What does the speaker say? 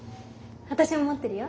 私も持ってるよ。